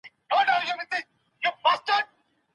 دا پروژه تر هغې بلې لويه ده.